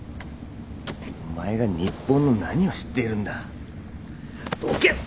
お前が日本の何を知っているんだ。どけ！